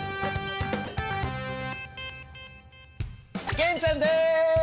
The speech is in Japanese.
玄ちゃんです！